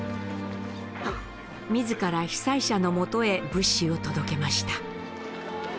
自ら被災者のもとへ物資を届けました。